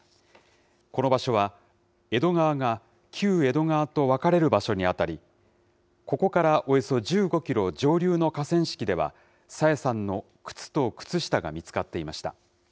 この場所は、江戸川が旧江戸川と分かれる場所に当たり、ここからおよそ１５キロ上流の河川敷では、朝芽さんの靴と靴下が見つかっていました。